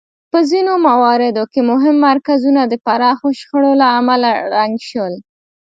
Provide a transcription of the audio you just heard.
په ځینو مواردو کې مهم مرکزونه د پراخو شخړو له امله ړنګ شول